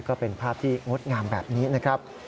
ก็เป็นภาพที่งดงามแบบนี้นะครับ